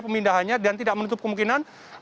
pemindahannya dan tidak menutup kemungkinan